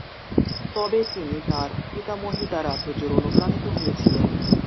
তবে তিনি তার পিতামহী দ্বারা প্রচুর অনুপ্রাণিত হয়েছিলেন।